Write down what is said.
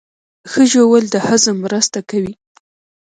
ښه ژوول د هضم مرسته کوي